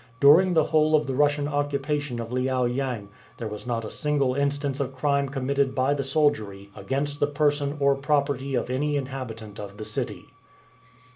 During the whole of the Russian occupation of Liao yang there was not a single instance of crime committed by the soldiery against the person or property of any inhabitant of the city.